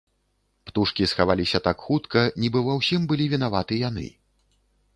Птушкі схаваліся так хутка, нібы ва ўсім былі вінаваты яны.